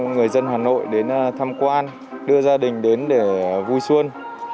người dân hà nội đến thăm quan đưa gia đình đến để vui xuân